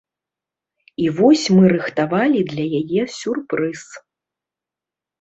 І вось мы рыхтавалі для яе сюрпрыз.